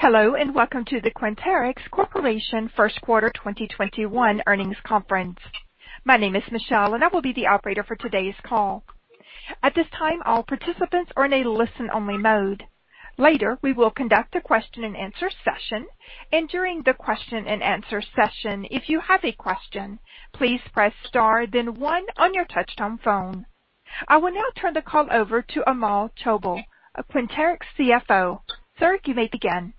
Hello, welcome to the Quanterix Corporation first quarter 2021 earnings conference. My name is Michelle, and I will be the operator for today's call. At this time, all participants are in a listen-only mode. Later, we will conduct a question and answer session. During the question and answer session, if you have a question, please press star then one on your touch-tone phone. I will now turn the call over to Amol Chaubal, Quanterix CFO. Sir, you may begin.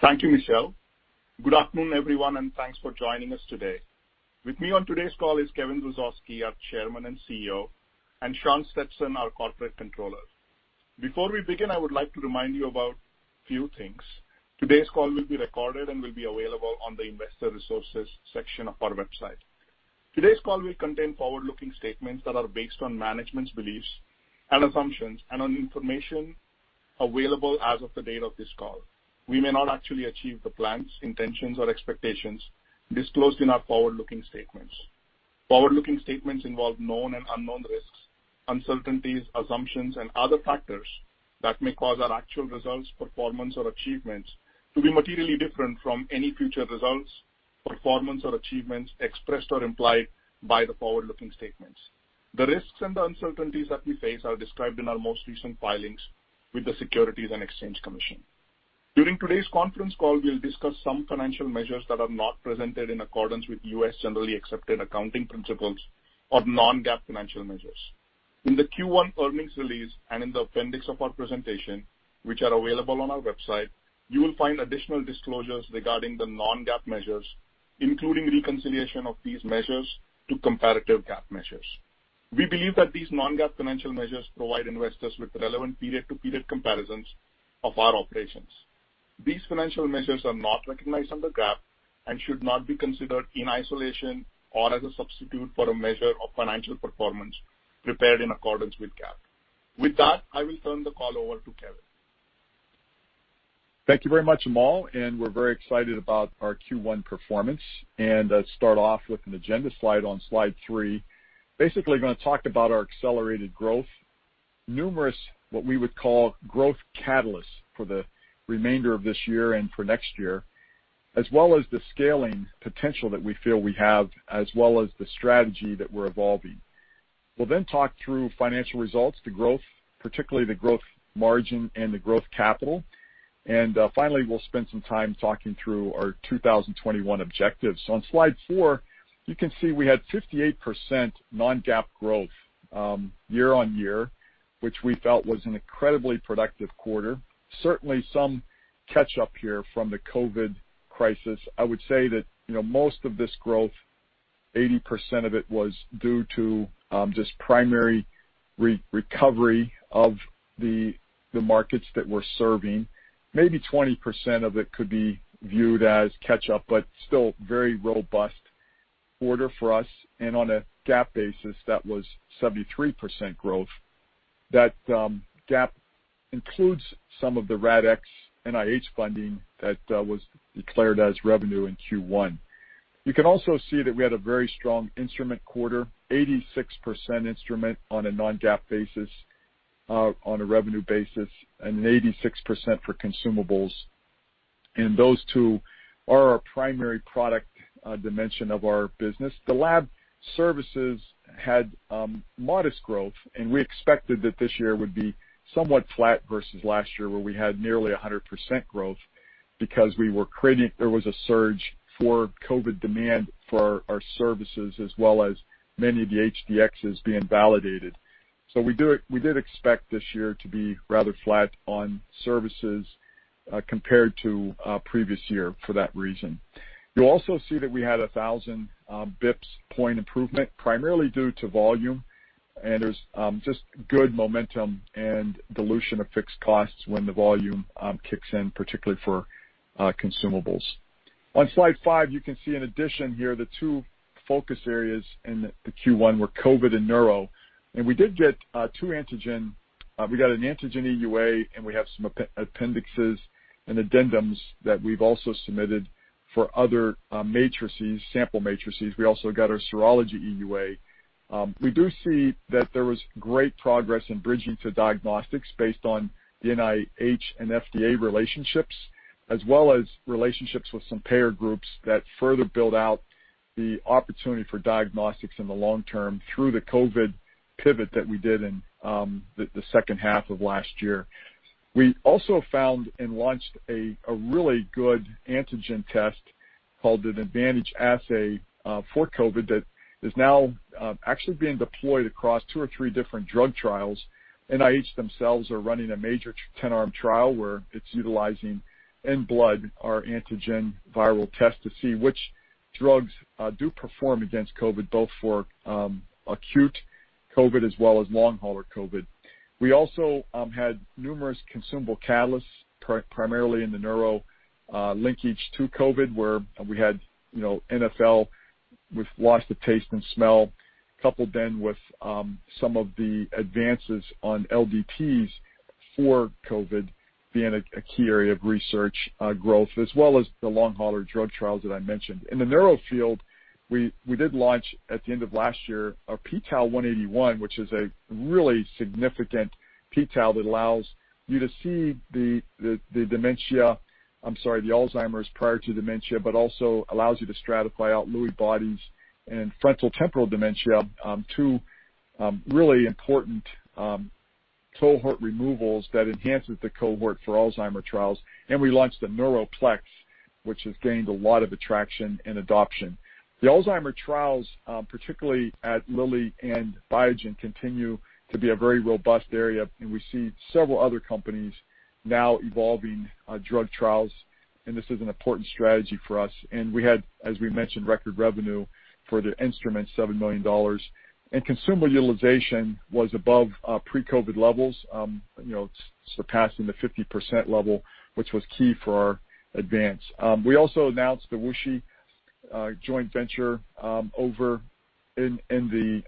Thank you, Michelle. Good afternoon, everyone, and thanks for joining us today. With me on today's call is Kevin Hrusovsky, our Chairman and CEO, and Shawn Stetson, our corporate controller. Before we begin, I would like to remind you about a few things. Today's call will be recorded and will be available on the investor resources section of our website. Today's call will contain forward-looking statements that are based on management's beliefs and assumptions and on information available as of the date of this call. We may not actually achieve the plans, intentions, or expectations disclosed in our forward-looking statements. Forward-looking statements involve known and unknown risks, uncertainties, assumptions, and other factors that may cause our actual results, performance, or achievements to be materially different from any future results, performance, or achievements expressed or implied by the forward-looking statements. The risks and the uncertainties that we face are described in our most recent filings with the Securities and Exchange Commission. During today's conference call, we'll discuss some financial measures that are not presented in accordance with U.S. generally accepted accounting principles or non-GAAP financial measures. In the Q1 earnings release and in the appendix of our presentation, which are available on our website, you will find additional disclosures regarding the non-GAAP measures, including reconciliation of these measures to comparative GAAP measures. We believe that these non-GAAP financial measures provide investors with relevant period-to-period comparisons of our operations. These financial measures are not recognized under GAAP and should not be considered in isolation or as a substitute for a measure of financial performance prepared in accordance with GAAP. With that, I will turn the call over to Kevin. Thank you very much, Amol, we're very excited about our Q1 performance. Let's start off with an agenda slide on slide three. Basically, we are going to talk about our accelerated growth, numerous what we would call growth catalysts for the remainder of this year and for next year, as well as the scaling potential that we feel we have, as well as the strategy that we're evolving. We'll then talk through financial results, the growth, particularly the gross margin and the gross capital. Finally, we'll spend some time talking through our 2021 objectives. On slide four, you can see we had 58% non-GAAP growth year-on-year, which we felt was an incredibly productive quarter. Certainly, some catch-up here from the COVID crisis. I would say that most of this growth, 80% of it was due to just primary recovery of the markets that we're serving. Maybe 20% of it could be viewed as catch-up, but still very robust quarter for us. On a GAAP basis, that was 73% growth. That GAAP includes some of the RADx NIH funding that was declared as revenue in Q1. You can also see that we had a very strong instrument quarter, 86% instrument on a non-GAAP basis, on a revenue basis, and an 86% for consumables, and those two are our primary product dimension of our business. The lab services had modest growth, and we expected that this year would be somewhat flat versus last year, where we had nearly 100% growth because there was a surge for COVID demand for our services as well as many of the HD-X being validated. We did expect this year to be rather flat on services, compared to previous year for that reason. You'll also see that we had 1,000 basis points improvement, primarily due to volume, and there's just good momentum and dilution of fixed costs when the volume kicks in, particularly for consumables. On slide five, you can see in addition here, the two focus areas in the Q1 were COVID and neuro. We did get two antigen. We got an antigen EUA, and we have some appendixes and addendums that we've also submitted for other sample matrices. We also got our serology EUA. We do see that there was great progress in bridging to diagnostics based on the NIH and FDA relationships, as well as relationships with some payer groups that further build out the opportunity for diagnostics in the long term through the COVID pivot that we did in the second half of last year. We also found and launched a really good antigen test called an Advantage Kit for COVID that is now actually being deployed across two or three different drug trials. NIH themselves are running a major 10-arm trial where it's utilizing in blood our antigen viral test to see which drugs do perform against COVID, both for acute COVID as well as long-hauler COVID. We also had numerous consumable catalysts, primarily in the neuro linkage to COVID, where we had NfL with loss of taste and smell, coupled with some of the advances on LDTs for COVID being a key area of research growth, as well as the long hauler drug trials that I mentioned. In the neuro field, we did launch at the end of last year, a p-Tau181, which is a really significant p-Tau that allows you to see the dementia, I'm sorry, the Alzheimer's prior to dementia, but also allows you to stratify out Lewy bodies and frontotemporal dementia, two really important cohort removals that enhances the cohort for Alzheimer trials. We launched the NeuroPlex, which has gained a lot of attraction and adoption. The Alzheimer trials, particularly at Lilly and Biogen, continue to be a very robust area, and we see several other companies now evolving drug trials, and this is an important strategy for us. We had, as we mentioned, record revenue for the instrument, $7 million. Consumer utilization was above pre-COVID levels, surpassing the 50% level, which was key for our advance. We also announced the WuXi joint venture over in the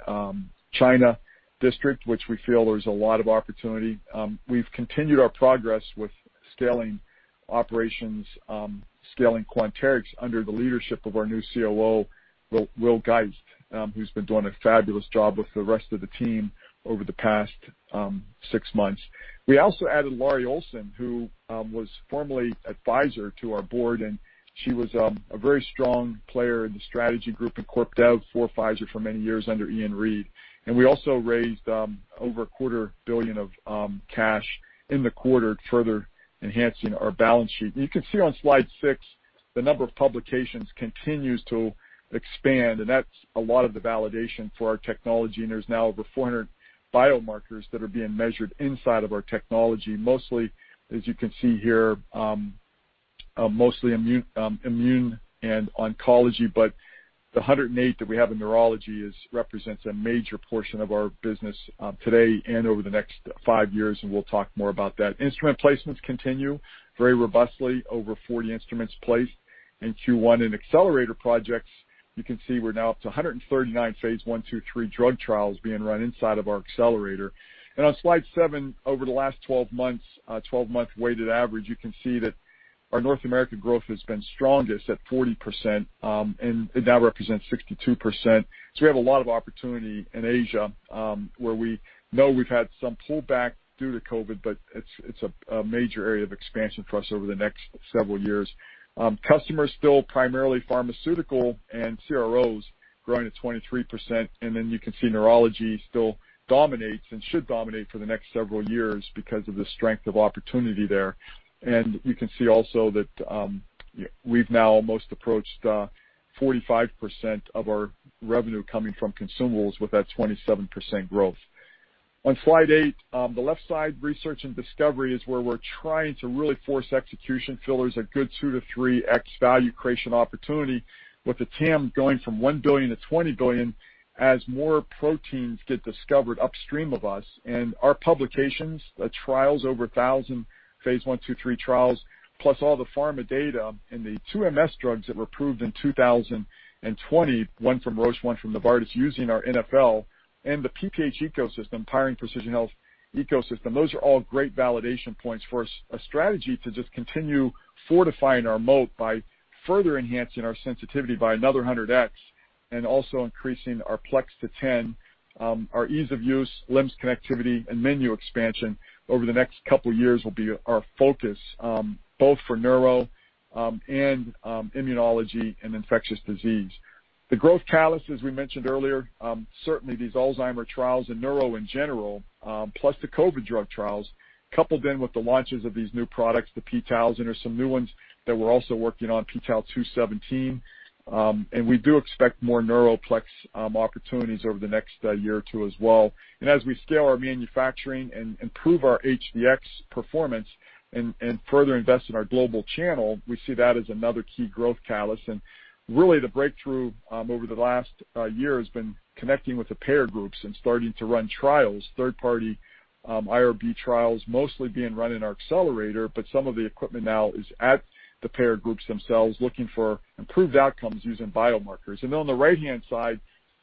China district, which we feel there's a lot of opportunity. We've continued our progress with scaling operations, scaling Quanterix under the leadership of our new COO, William Geist, who's been doing a fabulous job with the rest of the team over the past six months. We also added Laurie Olson, who was formerly advisor to our board, and she was a very strong player in the strategy group in corp dev for Pfizer for many years under Ian Read. We also raised over a quarter billion of cash in the quarter, further enhancing our balance sheet. You can see on slide six, the number of publications continues to expand, and that's a lot of the validation for our technology, and there's now over 400 biomarkers that are being measured inside of our technology, mostly as you can see here, mostly immune and oncology. The 108 that we have in neurology represents a major portion of our business today and over the next five years, and we'll talk more about that. Instrument placements continue very robustly, over 40 instruments placed in Q1. In Accelerator projects, you can see we're now up to 139 phase I-II-III drug trials being run inside of our Accelerator. On slide seven, over the last 12 months, 12-month weighted average, you can see that our North American growth has been strongest at 40%, and it now represents 62%. We have a lot of opportunity in Asia, where we know we've had some pullback due to COVID, but it's a major area of expansion for us over the next several years. Customers still primarily pharmaceutical and CROs growing at 23%. You can see neurology still dominates and should dominate for the next several years because of the strength of opportunity there. You can see also that we've now almost approached 45% of our revenue coming from consumables with that 27% growth. On slide eight, the left side, research and discovery is where we're trying to really force execution. We feel there's a good 2x-3X value creation opportunity with the TAM going from $1 billion-$20 billion as more proteins get discovered upstream of us. Our publications, the trials, over 1,000 phase I-II-III trials, plus all the pharma data and the two MS drugs that were approved in 2020, one from Roche, one from Novartis, using our NfL and the PPH ecosystem, Powering Precision Health ecosystem. Those are all great validation points for a strategy to just continue fortifying our moat by further enhancing our sensitivity by another 100x and also increasing our plex to 10. Our ease of use, LIMS connectivity, and menu expansion over the next couple of years will be our focus, both for neuro, and immunology and infectious disease. The growth catalyst, as we mentioned earlier, certainly these Alzheimer trials and neuro in general, plus the COVID drug trials, coupled in with the launches of these new products, the p-Taus, and there's some new ones that we're also working on, p-Tau217. We do expect more Neuro Multiplex opportunities over the next year or two as well. As we scale our manufacturing and improve our HD-X performance and further invest in our global channel, we see that as another key growth catalyst. Really the breakthrough over the last year has been connecting with the payer groups and starting to run trials, third party IRB trials, mostly being run in our Accelerator, but some of the equipment now is at the payer groups themselves, looking for improved outcomes using biomarkers. On the right-hand side,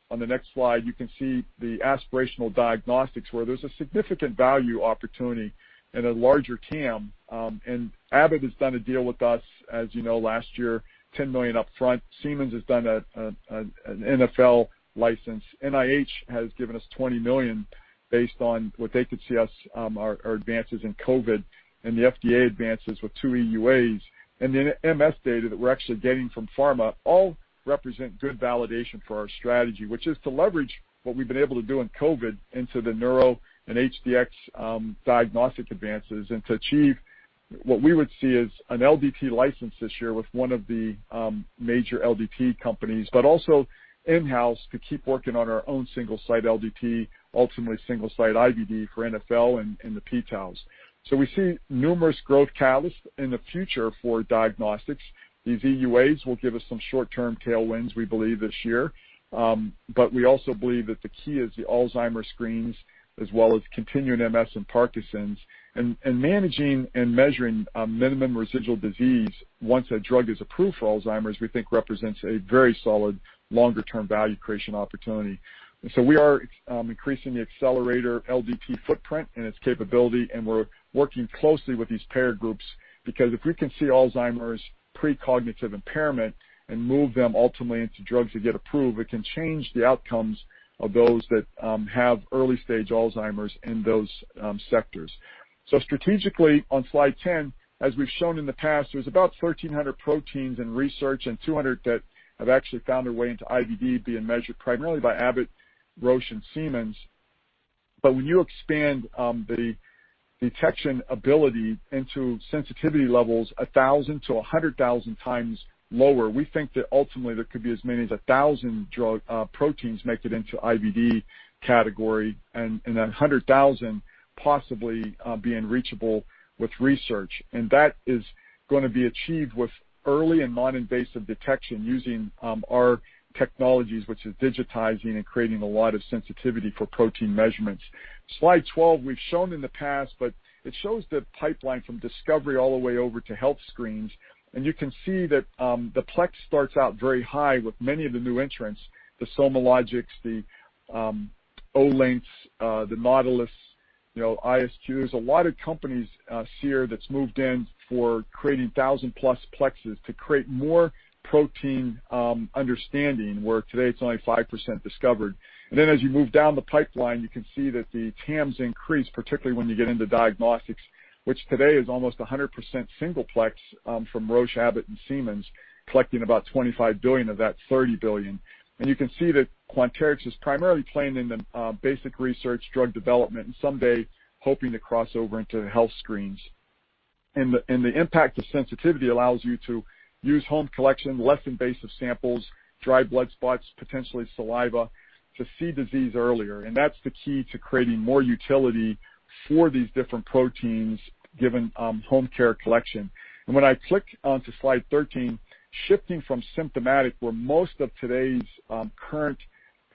on the next slide, you can see the aspirational diagnostics where there's a significant value opportunity and a larger TAM. Abbott has done a deal with us, as you know, last year, $10 million upfront. Siemens has done an NfL license. NIH has given us $20 million based on what they could see us, our advances in COVID and the FDA advances with two EUAs. MS data that we're actually getting from pharma all represent good validation for our strategy, which is to leverage what we've been able to do in COVID into the neuro and HD-X diagnostic advances and to achieve what we would see as an LDT license this year with one of the major LDT companies, but also in-house to keep working on our own single-site LDT, ultimately single-site IVD for NfL and the p-Taus. We see numerous growth catalysts in the future for diagnostics. These EUAs will give us some short-term tailwinds, we believe, this year. We also believe that the key is the Alzheimer's screens, as well as continuing MS and Parkinson's, and managing and measuring minimum residual disease once a drug is approved for Alzheimer's, we think represents a very solid longer-term value creation opportunity. We are increasing the Accelerator LDT footprint and its capability, and we're working closely with these payer groups. If we can see Alzheimer's pre-cognitive impairment and move them ultimately into drugs that get approved, it can change the outcomes of those that have early-stage Alzheimer's in those sectors. Strategically, on slide 10, as we've shown in the past, there's about 1,300 proteins in research and 200 that have actually found their way into IVD being measured primarily by Abbott, Roche, and Siemens. When you expand the detection ability into sensitivity levels 1,000x-100,000x lower, we think that ultimately there could be as many as 1,000 drug proteins make it into IVD category, and 100,000 possibly being reachable with research. That is going to be achieved with early and non-invasive detection using our technologies, which is digitizing and creating a lot of sensitivity for protein measurements. Slide 12 we've shown in the past, but it shows the pipeline from discovery all the way over to health screens. You can see that the plex starts out very high with many of the new entrants, the SomaLogic, the Olink, the Nautilus, ISQ. There's a lot of companies, Seer, that's moved in for creating 1,000+ plexes to create more protein understanding, where today it's only 5% discovered. As you move down the pipeline, you can see that the TAMs increase, particularly when you get into diagnostics, which today is almost 100% single plex from Roche, Abbott, and Siemens, collecting about $25 billion of that $30 billion. You can see that Quanterix is primarily playing in the basic research, drug development, and someday hoping to cross over into health screens. The impact of sensitivity allows you to use home collection, less invasive samples, dried blood spots, potentially saliva, to see disease earlier. That's the key to creating more utility for these different proteins, given home care collection. When I click onto slide 13, shifting from symptomatic, where most of today's current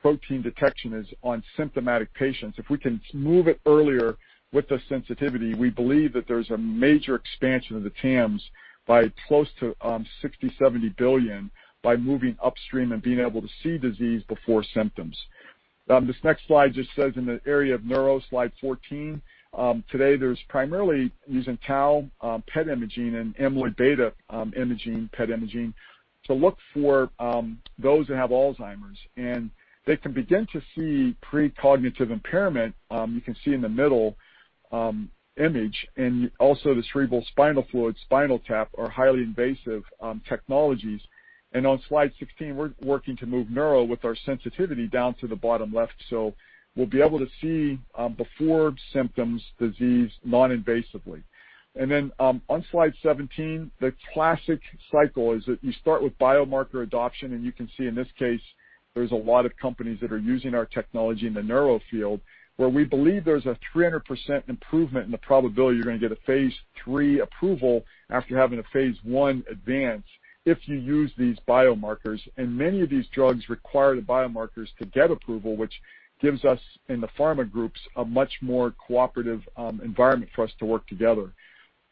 protein detection is on symptomatic patients. If we can move it earlier with the sensitivity, we believe that there's a major expansion of the TAMs by close to $60 billion-$70 billion by moving upstream and being able to see disease before symptoms. This next slide just says in the area of neuro, slide 14, today there's primarily using tau PET imaging and amyloid beta imaging, PET imaging, to look for those that have Alzheimer's. They can begin to see pre-cognitive impairment, you can see in the middle image. Also the cerebral spinal fluid, spinal tap are highly invasive technologies. On slide 16, we're working to move neuro with our sensitivity down to the bottom left, so we'll be able to see before symptoms, disease non-invasively. Then on slide 17, the classic cycle is that you start with biomarker adoption. You can see in this case, there's a lot of companies that are using our technology in the neuro field, where we believe there's a 300% improvement in the probability you're going to get a phase III approval after having a phase I advance if you use these biomarkers. Many of these drugs require the biomarkers to get approval, which gives us, and the pharma groups, a much more cooperative environment for us to work together.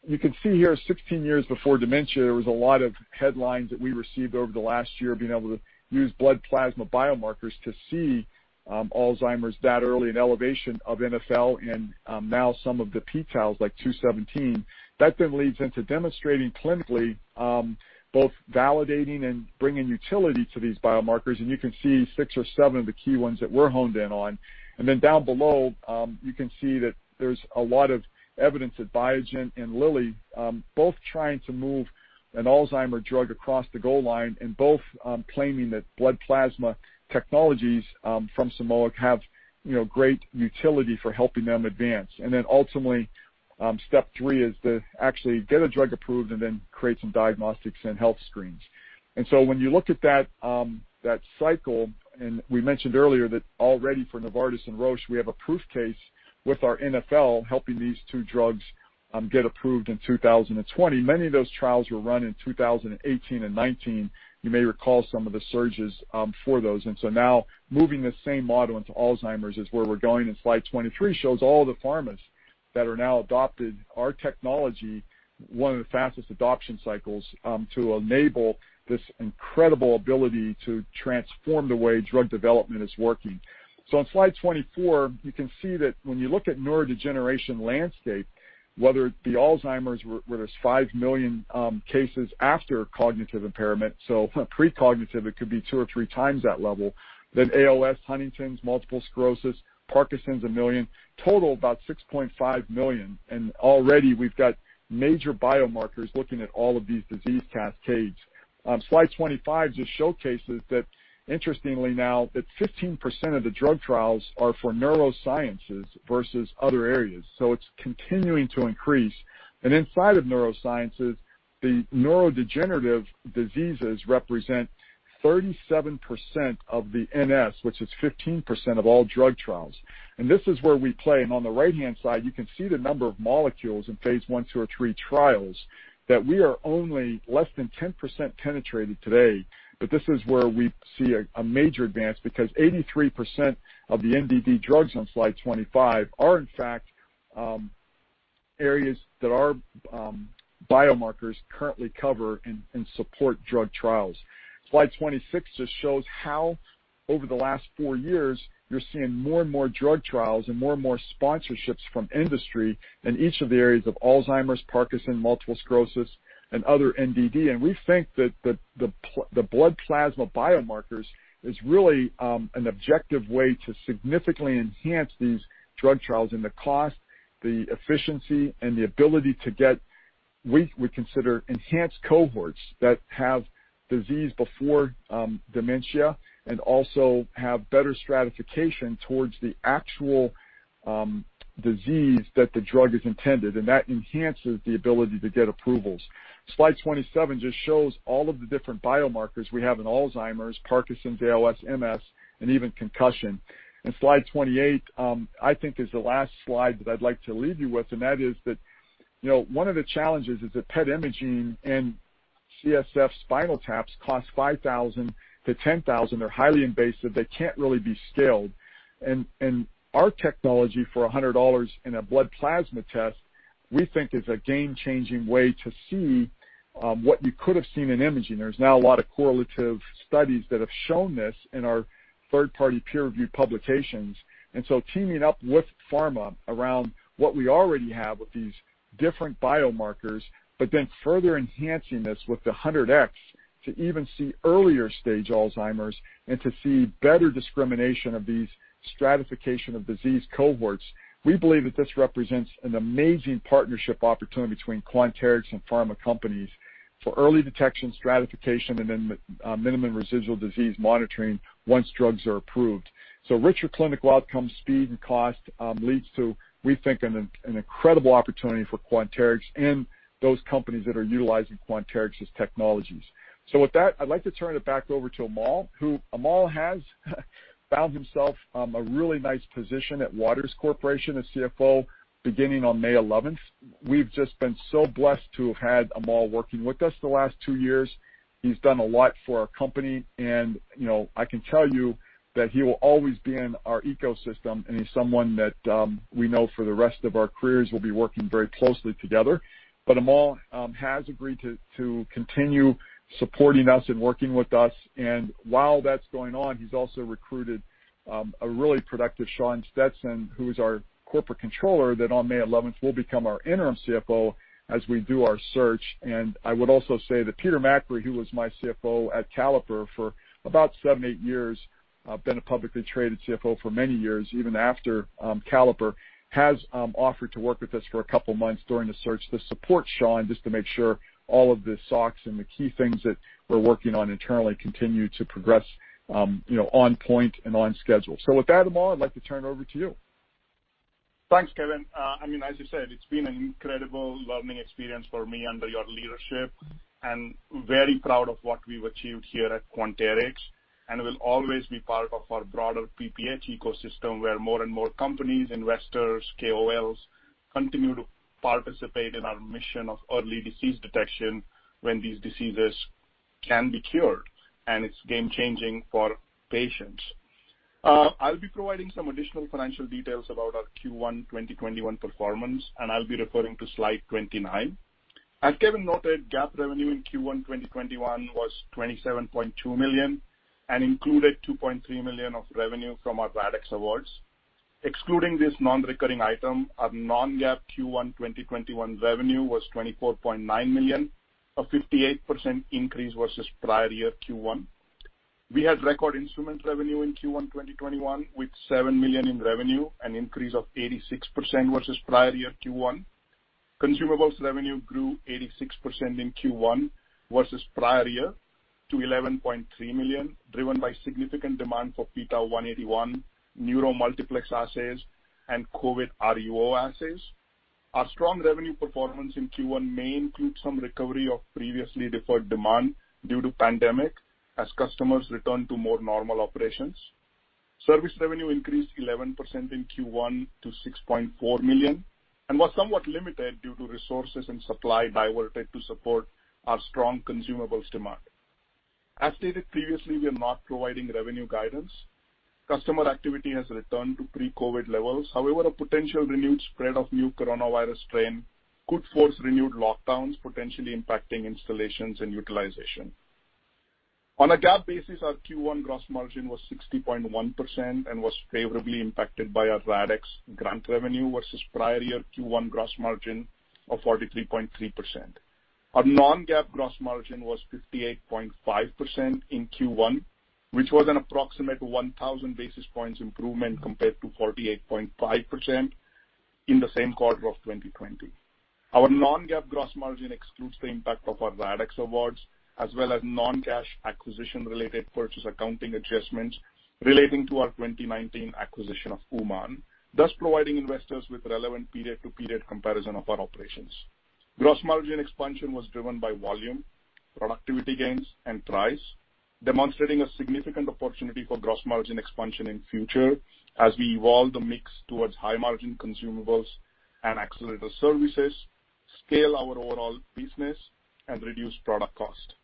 You can see here, 16 years before dementia, there was a lot of headlines that we received over the last year being able to use blood plasma biomarkers to see Alzheimer's that early, an elevation of NfL and now some of the p-Taus like 217. That leads into demonstrating clinically both validating and bringing utility to these biomarkers, and you can see six or seven of the key ones that we're honed in on. Down below, you can see that there's a lot of evidence that Biogen and Lilly, both trying to move an Alzheimer drug across the goal line and both claiming that blood plasma technologies from SomaLogic have great utility for helping them advance. Ultimately, step three is to actually get a drug approved and then create some diagnostics and health screens. When you look at that cycle, and we mentioned earlier that already for Novartis and Roche, we have a proof case with our NfL helping these two drugs get approved in 2020. Many of those trials were run in 2018 and 2019. You may recall some of the surges for those. Now moving the same model into Alzheimer's is where we're going, slide 23 shows all the pharmas that are now adopted our technology, one of the fastest adoption cycles, to enable this incredible ability to transform the way drug development is working. On slide 24, you can see that when you look at neurodegeneration landscape, whether it be Alzheimer's, where there's 5 million cases after cognitive impairment, pre-cognitive, it could be two or three times that level. ALS, Huntington's, multiple sclerosis, Parkinson's, 1 million. Total, about 6.5 million. Already we've got major biomarkers looking at all of these disease cascades. Slide 25 just showcases that interestingly now that 15% of the drug trials are for neurosciences versus other areas, it's continuing to increase. Inside of neurosciences, the neurodegenerative diseases represent 37% of the NS, which is 15% of all drug trials. This is where we play. On the right-hand side, you can see the number of molecules in phase I, phase II, or phase III trials that we are only less than 10% penetrated today. This is where we see a major advance because 83% of the NDD drugs on slide 25 are in fact, areas that our biomarkers currently cover and support drug trials. Slide 26 just shows how over the last four years, you're seeing more and more drug trials and more and more sponsorships from industry in each of the areas of Alzheimer's, Parkinson's, multiple sclerosis, and other NDD. We think that the blood plasma biomarkers is really an objective way to significantly enhance these drug trials in the cost, the efficiency, and the ability to get, we consider, enhanced cohorts that have disease before dementia and also have better stratification towards the actual disease that the drug is intended, and that enhances the ability to get approvals. Slide 27 just shows all of the different biomarkers we have in Alzheimer's, Parkinson's, ALS, MS, and even concussion. Slide 28, I think is the last slide that I'd like to leave you with, and that is that one of the challenges is that PET imaging and CSF spinal taps cost $5,000-$10,000. They're highly invasive. They can't really be scaled. Our technology for $100 in a blood plasma test, we think, is a game-changing way to see what you could have seen in imaging. There's now a lot of correlative studies that have shown this in our third-party peer-reviewed publications. Teaming up with pharma around what we already have with these different biomarkers, but then further enhancing this with the 100X to even see earlier stage Alzheimer's and to see better discrimination of these stratification of disease cohorts. We believe that this represents an amazing partnership opportunity between Quanterix and pharma companies for early detection, stratification, and then minimum residual disease monitoring once drugs are approved. Richer clinical outcomes, speed, and cost leads to, we think, an incredible opportunity for Quanterix and those companies that are utilizing Quanterix's technologies. With that, I'd like to turn it back over to Amol, who, Amol has found himself a really nice position at Waters Corporation as CFO beginning on May 11th. We've just been so blessed to have had Amol working with us the last two years. He's done a lot for our company, and I can tell you that he will always be in our ecosystem, and he's someone that we know for the rest of our careers will be working very closely together. Amol Chaubal has agreed to continue supporting us and working with us. While that's going on, he's also recruited a really productive Shawn Stetson, who is our corporate controller, that on May 11th will become our interim CFO as we do our search. I would also say that Peter McAree, who was my CFO at Caliper for about seven, eight years, been a publicly traded CFO for many years, even after Caliper, has offered to work with us for a couple of months during the search to support Shawn just to make sure all of the SOX and the key things that we're working on internally continue to progress on point and on schedule. With that, Amol, I'd like to turn it over to you. Thanks, Kevin. As you said, it's been an incredible learning experience for me under your leadership, and very proud of what we've achieved here at Quanterix, and will always be part of our broader PPH ecosystem, where more and more companies, investors, KOLs, continue to participate in our mission of early disease detection when these diseases can be cured, and it's game-changing for patients. I'll be providing some additional financial details about our Q1 2021 performance, and I'll be referring to slide 29. As Kevin noted, GAAP revenue in Q1 2021 was $27.2 million and included $2.3 million of revenue from our RADx awards. Excluding this non-recurring item, our non-GAAP Q1 2021 revenue was $24.9 million, a 58% increase versus prior year Q1. We had record instrument revenue in Q1 2021 with $7 million in revenue, an increase of 86% versus prior year Q1. Consumables revenue grew 86% in Q1 versus prior year to $11.3 million, driven by significant demand for p-Tau181, Neuro Multiplex assays, and COVID RUO assays. Our strong revenue performance in Q1 may include some recovery of previously deferred demand due to pandemic as customers return to more normal operations. Service revenue increased 11% in Q1 to $6.4 million and was somewhat limited due to resources and supply diverted to support our strong consumables demand. As stated previously, we are not providing revenue guidance. Customer activity has returned to pre-COVID levels. A potential renewed spread of new coronavirus strain could force renewed lockdowns, potentially impacting installations and utilization. On a GAAP basis, our Q1 gross margin was 60.1% and was favorably impacted by our RADx grant revenue versus prior year Q1 gross margin of 43.3%. Our non-GAAP gross margin was 58.5% in Q1, which was an approximate 1,000 basis points improvement compared to 48.5% in the same quarter of 2020. Our non-GAAP gross margin excludes the impact of our RADx awards, as well as non-cash acquisition related purchase accounting adjustments relating to our 2019 acquisition of UmanDiagnostics, thus providing investors with relevant period-to-period comparison of our operations. Gross margin expansion was driven by volume, productivity gains, and price, demonstrating a significant opportunity for gross margin expansion in future as we evolve the mix towards high-margin consumables and Accelerator services, scale our overall business, and reduce product cost.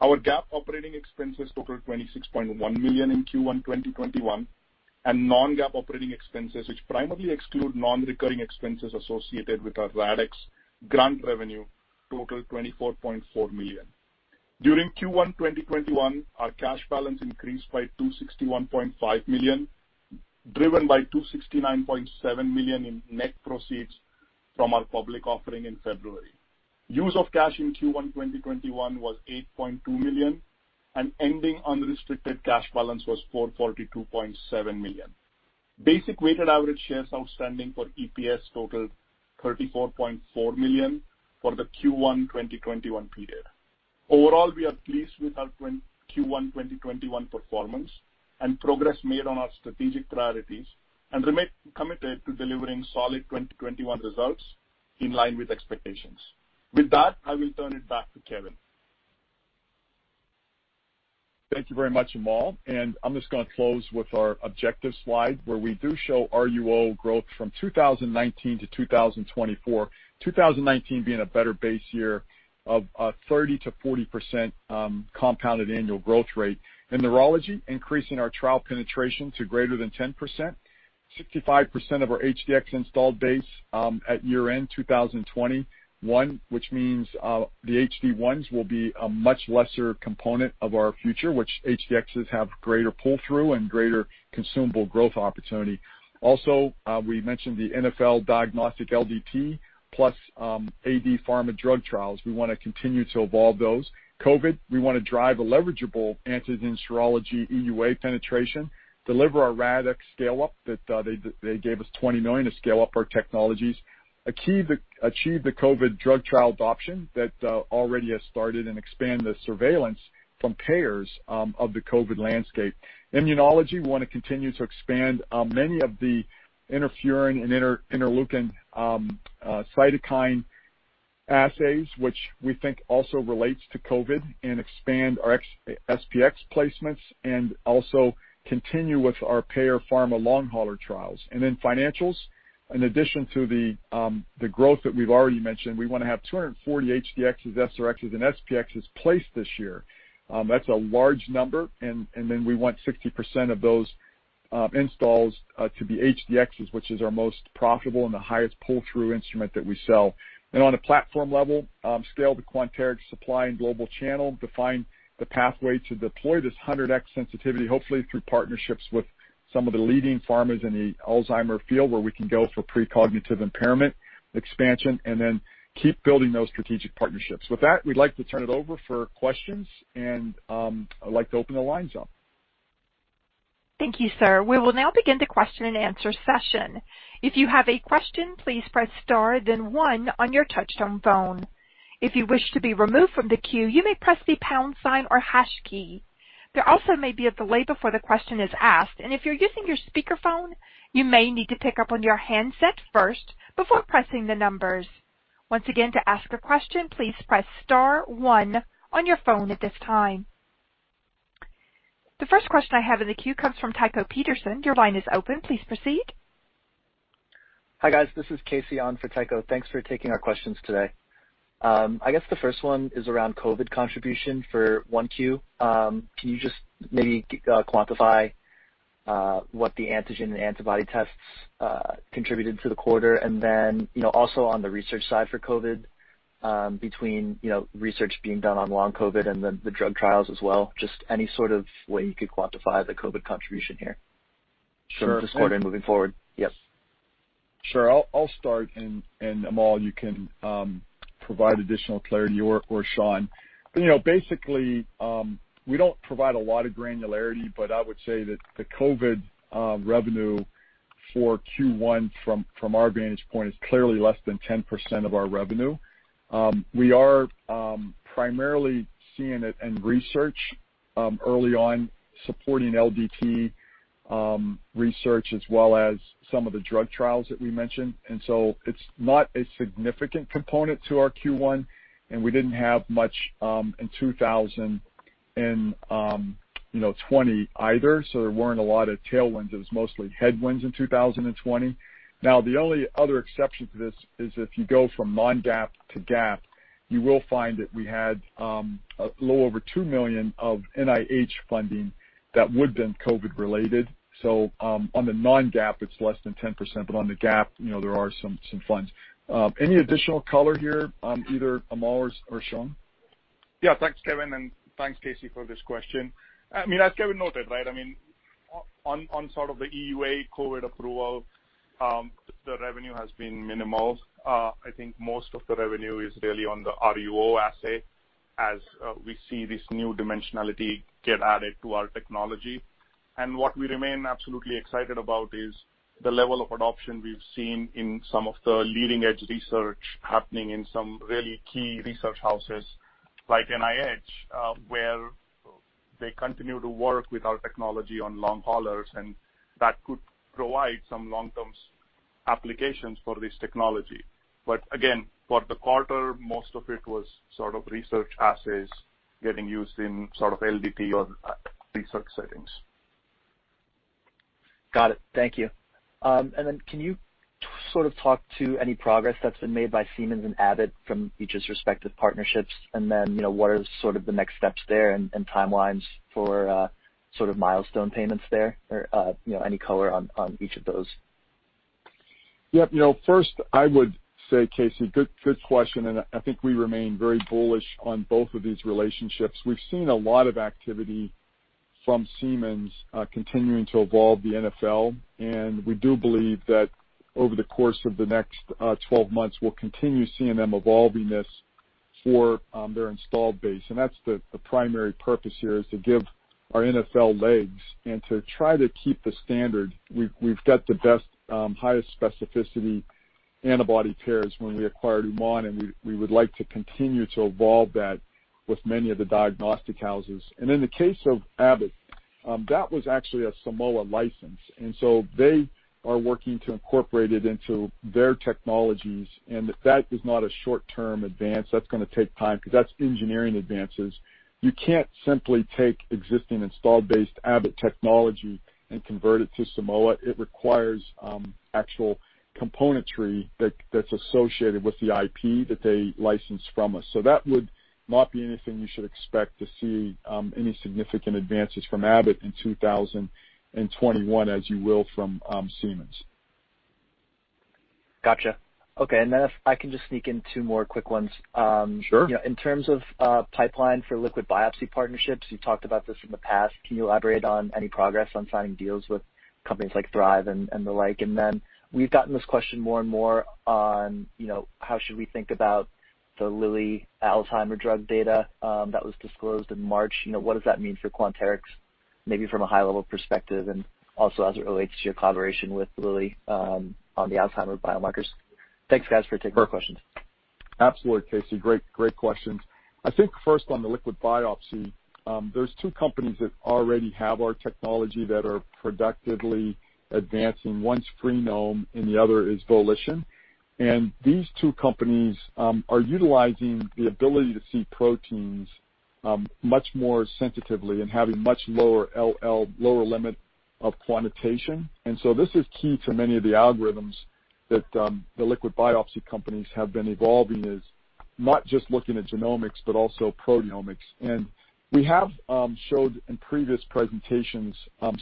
Our GAAP operating expenses totaled $26.1 million in Q1 2021. Non-GAAP operating expenses, which primarily exclude non-recurring expenses associated with our RADx grant revenue, totaled $24.4 million. During Q1 2021, our cash balance increased by $261.5 million, driven by $269.7 million in net proceeds from our public offering in February. Use of cash in Q1 2021 was $8.2 million, and ending unrestricted cash balance was $442.7 million. Basic weighted average shares outstanding for EPS totaled 34.4 million for the Q1 2021 period. Overall, we are pleased with our Q1 2021 performance and progress made on our strategic priorities and remain committed to delivering solid 2021 results in line with expectations. With that, I will turn it back to Kevin. Thank you very much, Amol. I'm just going to close with our objectives slide, where we do show RUO growth from 2019 to 2024, 2019 being a better base year of 30%-40% compounded annual growth rate. In neurology, increasing our trial penetration to greater than 10%. 65% of our HD-X installed base at year-end 2021, which means the HD-1s will be a much lesser component of our future, which HD-X's have greater pull-through and greater consumable growth opportunity. Also, we mentioned the NfL diagnostic LDT plus AD pharma drug trials. We want to continue to evolve those. COVID, we want to drive a leverageable antigen serology EUA penetration, deliver our RADx scale-up, they gave us $20 million to scale up our technologies. Achieve the COVID drug trial adoption that already has started and expand the surveillance from payers of the COVID landscape. Immunology, we want to continue to expand many of the interferon and interleukin cytokine assays, which we think also relates to COVID and expand our SP-X placements and also continue with our payer pharma long hauler trials. Financials, in addition to the growth that we've already mentioned, we want to have 240 HD-X's, SR-X's, and SP-X's placed this year. That's a large number, and then we want 60% of those installs to be HD-X's, which is our most profitable and the highest pull-through instrument that we sell. On a platform level, scale the Quanterix supply and global channel, define the pathway to deploy this 100x sensitivity, hopefully through partnerships with some of the leading pharmas in the Alzheimer's field, where we can go for pre-cognitive impairment expansion, and then keep building those strategic partnerships. With that, we'd like to turn it over for questions, and I'd like to open the lines up. Thank you, sir. We will now begin the question and answer session. If you have a question, please press star then one on your touchtone phone. If you wish to be removed from the queue, you may press the pound sign or hash key. There also may be a delay before the question is asked, and if you're using your speakerphone, you may need to pick up on your handset first before pressing the numbers. Once again, to ask a question, please press star one on your phone at this time. The first question I have in the queue comes from Tycho Peterson. Your line is open. Please proceed. Hi, guys. This is Casey on for Tycho. Thanks for taking our questions today. I guess the first one is around COVID contribution for 1Q. Can you just maybe quantify what the antigen and antibody tests contributed to the quarter? Also on the research side for COVID, between research being done on long COVID and then the drug trials as well, just any sort of way you could quantify the COVID contribution here? Sure for this quarter moving forward. Yep. Sure. I'll start. Amol, you can provide additional clarity, or Shawn. We don't provide a lot of granularity, but I would say that the COVID revenue for Q1 from our vantage point is clearly less than 10% of our revenue. We are primarily seeing it in research early on, supporting LDT research as well as some of the drug trials that we mentioned. It's not a significant component to our Q1, and we didn't have much in 2020 either, so there weren't a lot of tailwinds. It was mostly headwinds in 2020. The only other exception to this is if you go from non-GAAP to GAAP, you will find that we had a little over $2 million of NIH funding that would've been COVID related. On the non-GAAP, it's less than 10%, but on the GAAP, there are some funds. Any additional color here, either Amol Chaubal or Shawn Stetson? Yeah, thanks, Kevin, and thanks, Casey, for this question. As Kevin noted, on sort of the EUA COVID approval, the revenue has been minimal. I think most of the revenue is really on the RUO assay, as we see this new dimensionality get added to our technology. What we remain absolutely excited about is the level of adoption we've seen in some of the leading-edge research happening in some really key research houses like NIH, where they continue to work with our technology on long haulers, and that could provide some long-term applications for this technology. Again, for the quarter, most of it was sort of research assays getting used in LDT or research settings. Got it. Thank you. Can you talk to any progress that's been made by Siemens and Abbott from each's respective partnerships? What are the next steps there and timelines for milestone payments there? Any color on each of those? Yep. First, I would say, Casey, good question, and I think we remain very bullish on both of these relationships. We've seen a lot of activity from Siemens continuing to evolve the NfL. We do believe that over the course of the next 12 months, we'll continue seeing them evolving this for their installed base. That's the primary purpose here is to give our NfL legs and to try to keep the standard. We've got the best, highest specificity antibody pairs when we acquired UmanDiagnostics. We would like to continue to evolve that with many of the diagnostic houses. In the case of Abbott, that was actually a Simoa license. So they are working to incorporate it into their technologies. That is not a short-term advance. That's going to take time because that's engineering advances. You can't simply take existing installed-based Abbott technology and convert it to Simoa. It requires actual componentry that's associated with the IP that they licensed from us. That would not be anything you should expect to see any significant advances from Abbott in 2021 as you will from Siemens. Got you. Okay, if I can just sneak in two more quick ones. Sure. In terms of pipeline for liquid biopsy partnerships, you talked about this in the past. Can you elaborate on any progress on signing deals with companies like Thrive and the like? We've gotten this question more and more on how should we think about the Lilly Alzheimer's drug data that was disclosed in March? What does that mean for Quanterix, maybe from a high-level perspective, and also as it relates to your collaboration with Lilly on the Alzheimer's biomarkers? Thanks, guys, for taking the questions. Sure. Absolutely, Casey. Great questions. I think first on the liquid biopsy, there's two companies that already have our technology that are productively advancing. One's Freenome and the other is Volition. These two companies are utilizing the ability to see proteins much more sensitively and having much lower LLOQ, lower limit of quantitation. This is key to many of the algorithms that the liquid biopsy companies have been evolving is not just looking at genomics but also proteomics. We have showed in previous presentations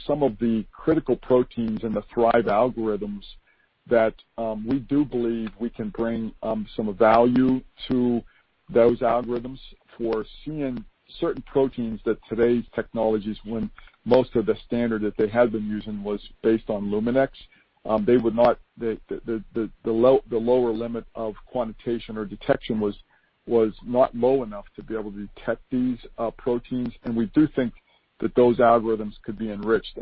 some of the critical proteins in the Thrive algorithms that we do believe we can bring some value to those algorithms for seeing certain proteins that today's technologies, when most of the standard that they had been using was based on Luminex. The lower limit of quantitation or detection was not low enough to be able to detect these proteins. We do think that those algorithms could be enriched.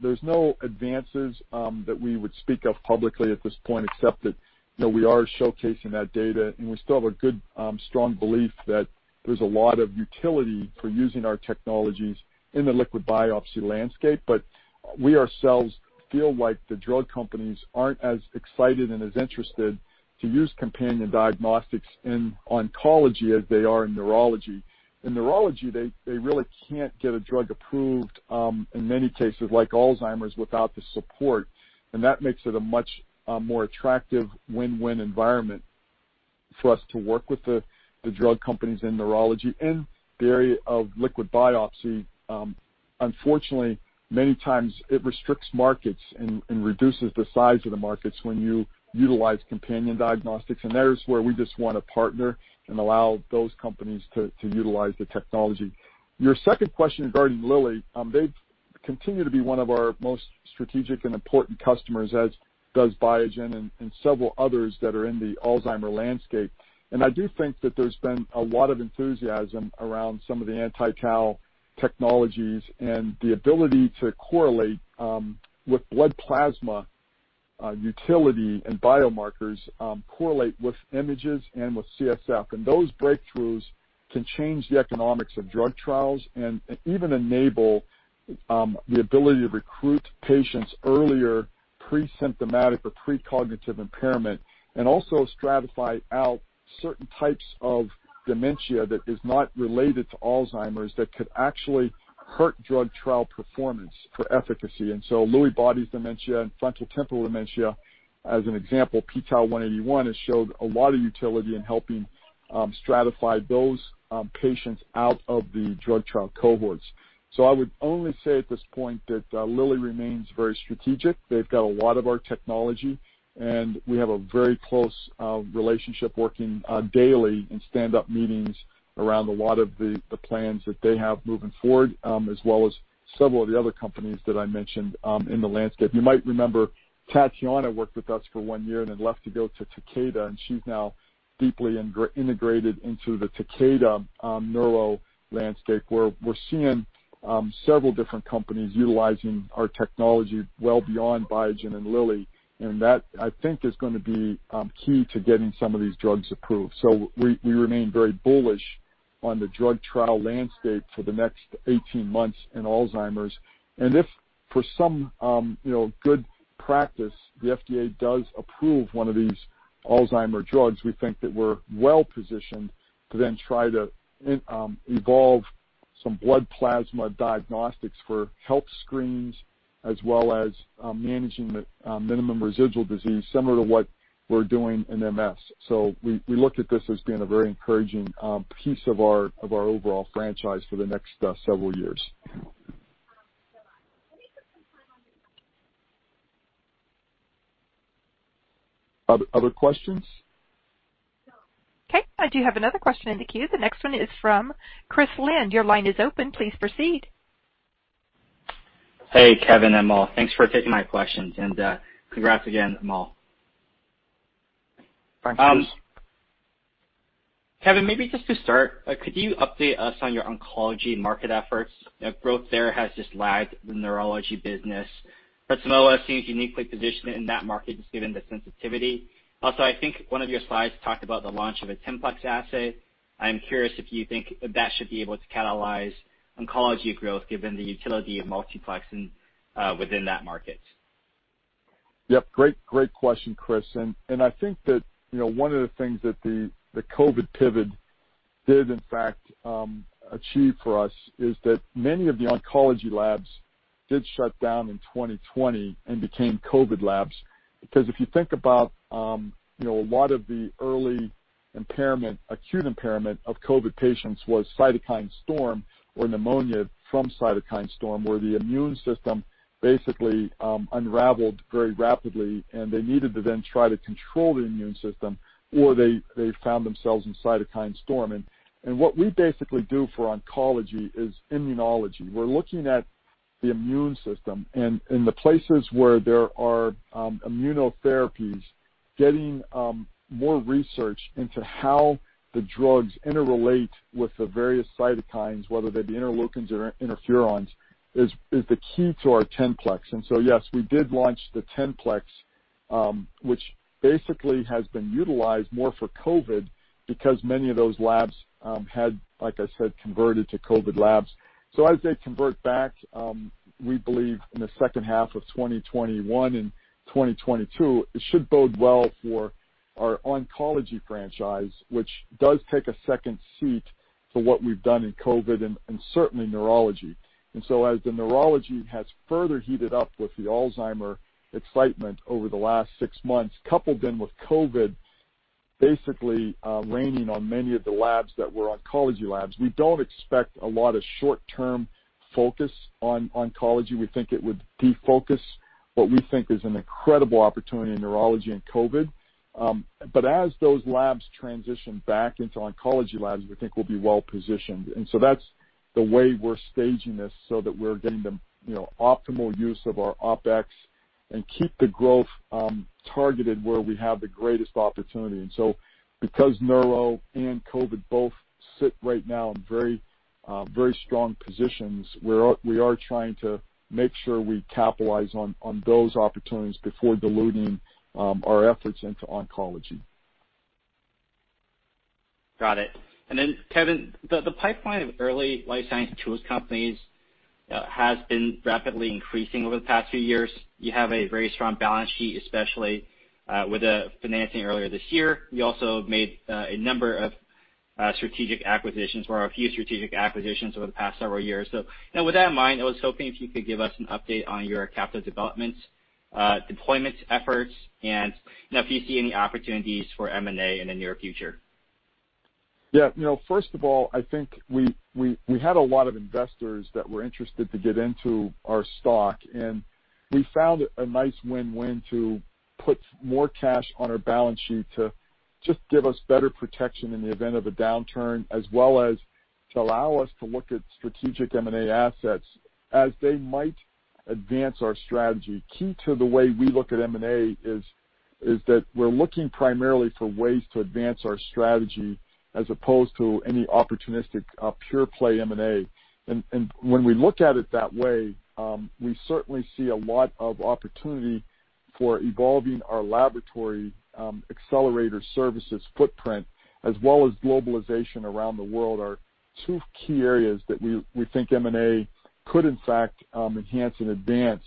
There's no advances that we would speak of publicly at this point, except that we are showcasing that data, and we still have a good, strong belief that there's a lot of utility for using our technologies in the liquid biopsy landscape. We ourselves feel like the drug companies aren't as excited and as interested to use companion diagnostics in oncology as they are in neurology. In neurology, they really can't get a drug approved, in many cases like Alzheimer's, without the support. That makes it a much more attractive win-win environment for us to work with the drug companies in neurology. In the area of liquid biopsy, unfortunately, many times it restricts markets and reduces the size of the markets when you utilize companion diagnostics. There's where we just want to partner and allow those companies to utilize the technology. Your second question regarding Lilly. They've continued to be one of our most strategic and important customers, as does Biogen and several others that are in the Alzheimer landscape. I do think that there's been a lot of enthusiasm around some of the anti-tau technologies and the ability to correlate with blood plasma utility and biomarkers correlate with images and with CSF. Those breakthroughs can change the economics of drug trials and even enable the ability to recruit patients earlier, pre-symptomatic or pre-cognitive impairment, and also stratify out certain types of dementia that is not related to Alzheimer's that could actually hurt drug trial performance for efficacy. Lewy bodies dementia and frontal temporal dementia, as an example, p-Tau181 has showed a lot of utility in helping stratify those patients out of the drug trial cohorts. I would only say at this point that Lilly remains very strategic. They've got a lot of our technology, and we have a very close relationship, working daily in stand-up meetings around a lot of the plans that they have moving forward, as well as several of the other companies that I mentioned in the landscape. You might remember Tatiana worked with us for one year and then left to go to Takeda, and she's now deeply integrated into the Takeda neuro landscape, where we're seeing several different companies utilizing our technology well beyond Biogen and Lilly. That, I think, is going to be key to getting some of these drugs approved. We remain very bullish on the drug trial landscape for the next 18 months in Alzheimer's. If for some good practice, the FDA does approve one of these Alzheimer's drugs, we think that we're well-positioned to then try to evolve some blood plasma diagnostics for health screens, as well as managing the minimum residual disease, similar to what we're doing in MS. We look at this as being a very encouraging piece of our overall franchise for the next several years. Other questions? No. Okay, I do have another question in the queue. The next one is from Chris Lin. Your line is open. Please proceed. Hey, Kevin and Amol. Thanks for taking my questions. Congrats again, Amol. Thanks, Chris. Kevin, maybe just to start, could you update us on your oncology market efforts? Growth there has just lagged the neurology business. Simoa seems uniquely positioned in that market, just given the sensitivity. I think one of your slides talked about the launch of a 10-plex assay. I'm curious if you think that should be able to catalyze oncology growth given the utility of multiplexing within that market. Yep. Great question, Chris. I think that one of the things that the COVID pivot did, in fact, achieve for us is that many of the oncology labs did shut down in 2020 and became COVID labs. If you think about, a lot of the early acute impairment of COVID patients was cytokine storm or pneumonia from cytokine storm, where the immune system basically unraveled very rapidly, and they needed to then try to control the immune system, or they found themselves in cytokine storm. What we basically do for oncology is immunology. We're looking at the immune system and in the places where there are immunotherapies, getting more research into how the drugs interrelate with the various cytokines, whether they be interleukins or interferons, is the key to our 10-plex. Yes, we did launch the 10-plex, which basically has been utilized more for COVID because many of those labs had, like I said, converted to COVID labs. As they convert back, we believe in the second half of 2021 and 2022, it should bode well for our oncology franchise, which does take a second seat to what we've done in COVID and certainly neurology. As the neurology has further heated up with the Alzheimer excitement over the last six months, coupled then with COVID basically reigning on many of the labs that were oncology labs, we don't expect a lot of short-term focus on oncology. We think it would defocus what we think is an incredible opportunity in neurology and COVID. As those labs transition back into oncology labs, we think we'll be well-positioned. That's the way we're staging this so that we're getting the optimal use of our OpEx and keep the growth targeted where we have the greatest opportunity. Because neuro and COVID both sit right now in very strong positions, we are trying to make sure we capitalize on those opportunities before diluting our efforts into oncology. Got it. Kevin, the pipeline of early life science tools companies has been rapidly increasing over the past few years. You have a very strong balance sheet, especially with the financing earlier this year. You also made a number of strategic acquisitions or a few strategic acquisitions over the past several years. With that in mind, I was hoping if you could give us an update on your capital development deployment efforts and if you see any opportunities for M&A in the near future. Yeah. First of all, I think we had a lot of investors that were interested to get into our stock. We found a nice win-win to put more cash on our balance sheet to just give us better protection in the event of a downturn, as well as to allow us to look at strategic M&A assets as they might advance our strategy. Key to the way we look at M&A is that we're looking primarily for ways to advance our strategy as opposed to any opportunistic, pure-play M&A. When we look at it that way, we certainly see a lot of opportunity for evolving our laboratory Accelerator services footprint as well as globalization around the world are two key areas that we think M&A could in fact enhance and advance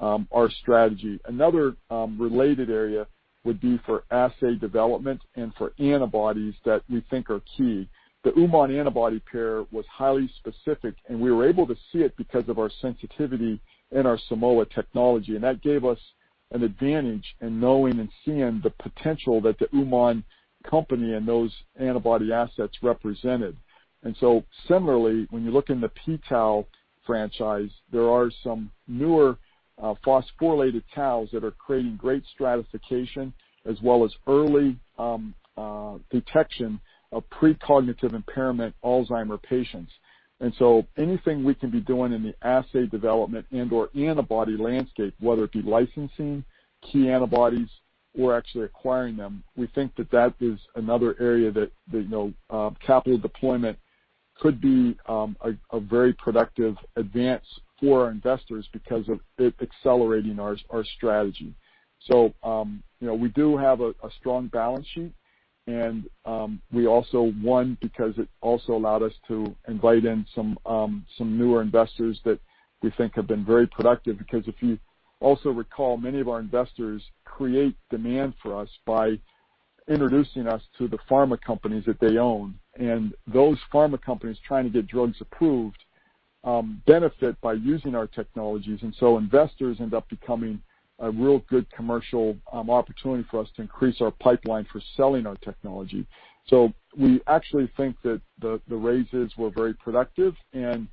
our strategy. Another related area would be for assay development and for antibodies that we think are key. The UmanDiagnostics antibody pair was highly specific. We were able to see it because of our sensitivity and our Simoa technology. That gave us an advantage in knowing and seeing the potential that the UmanDiagnostics company and those antibody assets represented. Similarly, when you look in the p-tau franchise, there are some newer phosphorylated taus that are creating great stratification as well as early detection of pre-cognitive impairment Alzheimer's patients. Anything we can be doing in the assay development and/or antibody landscape, whether it be licensing key antibodies or actually acquiring them, we think that that is another area that capital deployment could be a very productive advance for our investors because of it accelerating our strategy. We do have a strong balance sheet. We also, one, because it also allowed us to invite in some newer investors that we think have been very productive, because if you also recall, many of our investors create demand for us by introducing us to the pharma companies that they own, and those pharma companies trying to get drugs approved, benefit by using our technologies. Investors end up becoming a real good commercial opportunity for us to increase our pipeline for selling our technology. We actually think that the raises were very productive and,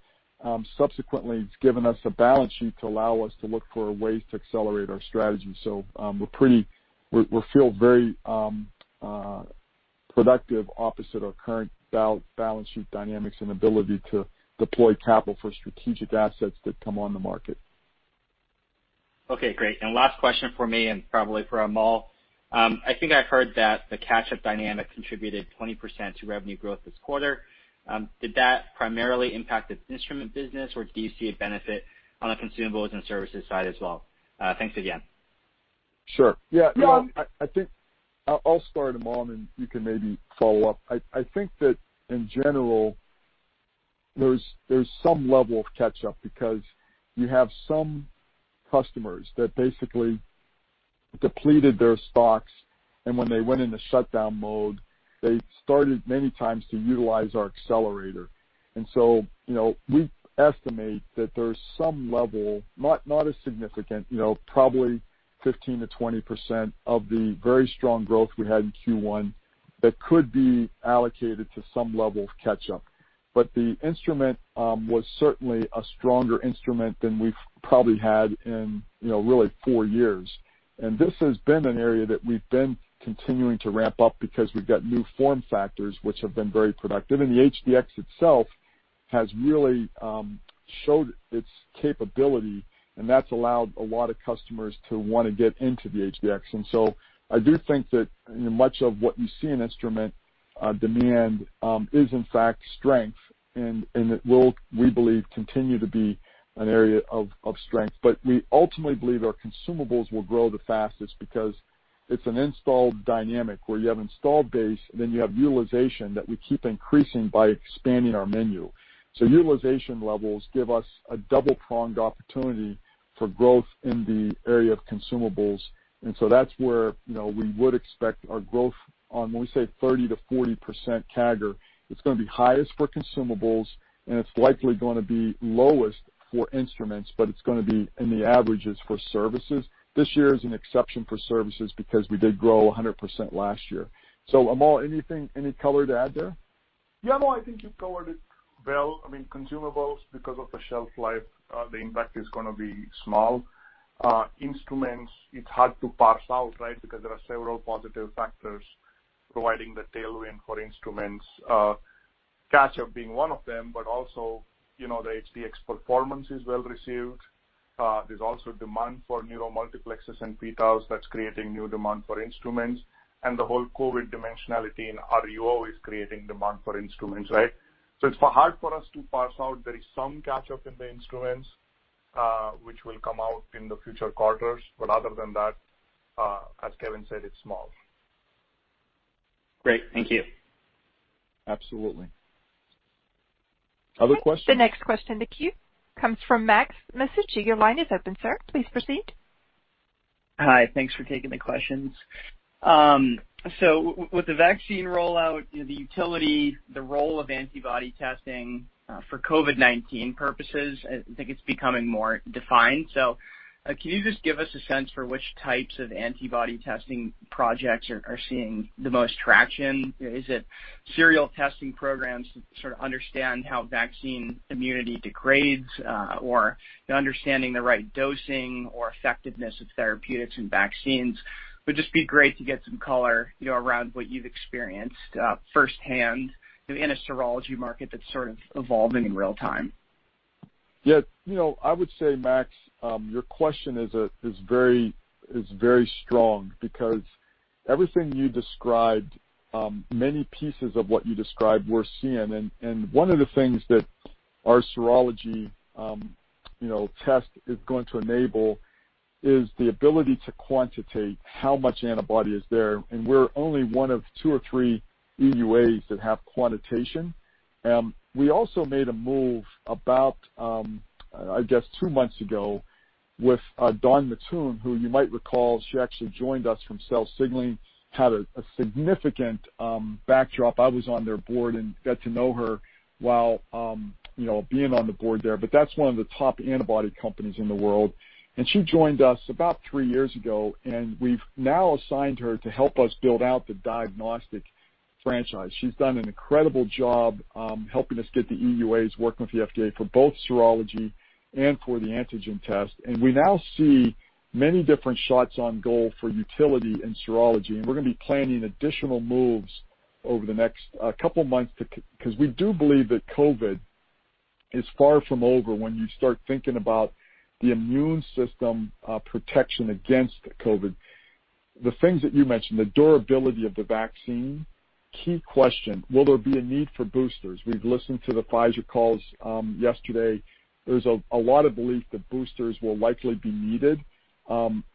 subsequently, it's given us a balance sheet to allow us to look for ways to accelerate our strategy. We feel very productive opposite our current balance sheet dynamics and ability to deploy capital for strategic assets that come on the market. Okay, great. Last question from me and probably for Amol Chaubal. I think I've heard that the catch-up dynamic contributed 20% to revenue growth this quarter. Did that primarily impact the instrument business, or do you see a benefit on the consumables and services side as well? Thanks again. Sure. Yeah, no, I think I'll start, Amol, and you can maybe follow up. I think that in general, there's some level of catch-up because you have some customers that basically depleted their stocks, and when they went into shutdown mode, they started many times to utilize our Accelerator. We estimate that there's some level, not as significant, probably 15%-20% of the very strong growth we had in Q1 that could be allocated to some level of catch-up. The instrument was certainly a stronger instrument than we've probably had in really four years. This has been an area that we've been continuing to ramp up because we've got new form factors which have been very productive. The HD-X itself has really showed its capability, and that's allowed a lot of customers to want to get into the HD-X. I do think that much of what you see in instrument demand is in fact strength, and it will, we believe, continue to be an area of strength. We ultimately believe our consumables will grow the fastest because it's an installed dynamic where you have installed base, then you have utilization that we keep increasing by expanding our menu. Utilization levels give us a double-pronged opportunity for growth in the area of consumables. That's where we would expect our growth on, when we say 30%-40% CAGR, it's going to be highest for consumables and it's likely going to be lowest for instruments, but it's going to be in the averages for services. This year is an exception for services because we did grow 100% last year. Amol, anything, any color to add there? Yeah, no, I think you've covered it well. I mean, consumables, because of the shelf life, the impact is going to be small. Instruments, it's hard to parse out, right? There are several positive factors providing the tailwind for instruments. Catch-up being one of them, but also, the HD-X performance is well-received. There's also demand for Neuro Multiplexes and p-Taus that's creating new demand for instruments. The whole COVID dimensionality in RUO is creating demand for instruments, right? It's hard for us to parse out. There is some catch-up in the instruments, which will come out in the future quarters. Other than that, as Kevin said, it's small. Great. Thank you. Absolutely. Other questions? The next question in the queue comes from Max Masucci. Your line is open, sir. Please proceed. Hi. Thanks for taking the questions. With the vaccine rollout, the utility, the role of antibody testing for COVID-19 purposes, I think it's becoming more defined. Can you just give us a sense for which types of antibody testing projects are seeing the most traction? Is it serial testing programs to sort of understand how vaccine immunity degrades, or understanding the right dosing or effectiveness of therapeutics in vaccines? Would just be great to get some color around what you've experienced firsthand in a serology market that's sort of evolving in real time. Yeah. I would say, Max, your question is very strong because everything you described, many pieces of what you described, we're seeing. One of the things that our serology test is going to enable is the ability to quantitate how much antibody is there, and we're only one of two or three EUAs that have quantitation. We also made a move about, I guess, two months ago with Dawn Mattoon, who you might recall, she actually joined us from Cell Signaling, had a significant backdrop. I was on their board and got to know her while being on the board there. That's one of the top antibody companies in the world. She joined us about three years ago, and we've now assigned her to help us build out the diagnostic franchise. She's done an incredible job helping us get the EUAs, working with the FDA for both serology and for the antigen test. We now see many different shots on goal for utility in serology, and we're going to be planning additional moves over the next couple of months because we do believe that COVID is far from over when you start thinking about the immune system protection against COVID. The things that you mentioned, the durability of the vaccine, key question, will there be a need for boosters? We've listened to the Pfizer calls yesterday. There's a lot of belief that boosters will likely be needed.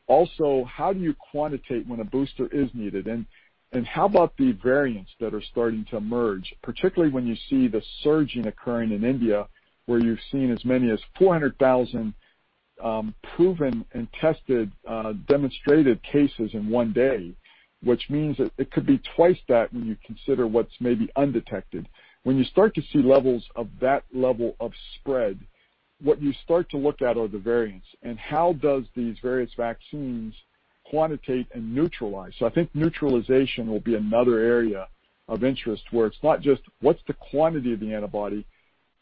Also, how do you quantitate when a booster is needed? How about the variants that are starting to emerge? Particularly when you see the surging occurring in India, where you've seen as many as 400,000-proven and tested demonstrated cases in one day, which means that it could be twice that when you consider what's maybe undetected. When you start to see levels of that level of spread, what you start to look at are the variants and how does these various vaccines quantitate and neutralize. I think neutralization will be another area of interest where it's not just what's the quantity of the antibody,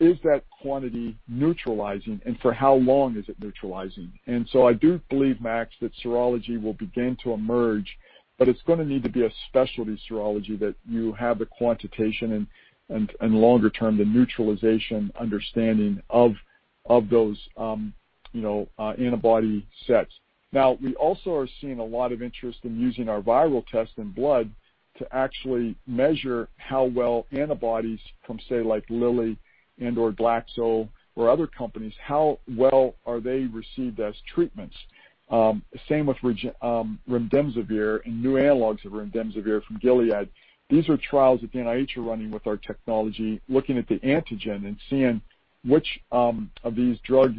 is that quantity neutralizing and for how long is it neutralizing. I do believe, Max, that serology will begin to emerge, but it's going to need to be a specialty serology that you have the quantitation and longer-term, the neutralization understanding of those antibody sets. We also are seeing a lot of interest in using our viral test in blood to actually measure how well antibodies from, say, like Lilly and/or Glaxo or other companies, how well are they received as treatments. Same with remdesivir and new analogs of remdesivir from Gilead. These are trials that the NIH are running with our technology, looking at the antigen and seeing which of these drug